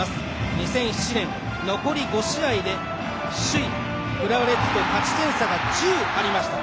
２００７年、残り５試合で首位・浦和レッズと勝ち点差が１０ありました。